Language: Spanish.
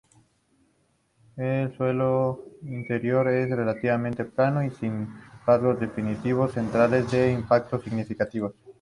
El suelo interior es relativamente plano y sin rasgos distintivos, carente de impactos significativos.